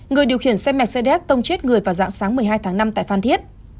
người điều khiển xe mercedes tông chết người vào dạng sáng một mươi hai tháng năm tại phan thiết